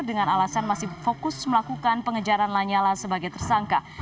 dengan alasan masih fokus melakukan pengejaran lanyala sebagai tersangka